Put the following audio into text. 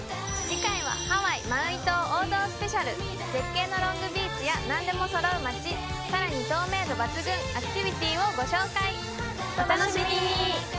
次回はハワイマウイ島王道スペシャル絶景のロングビーチや何でも揃う街さらに透明度抜群アクティビティをご紹介お楽しみに！